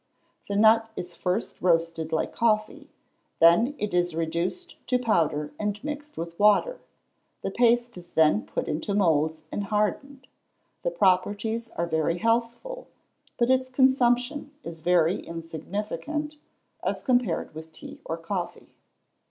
The nut is first roasted like coffee, then it is reduced to powder and mixed with water, the paste is then put into moulds and hardened. The properties are very healthful, but its consumption is very insignificant, as compared with tea or coffee.